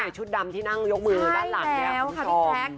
ชุดดำที่นั่งยกมือด้านหลังเนี่ยพี่แจ๊ค